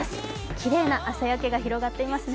きれいな朝焼けが広がっていますね。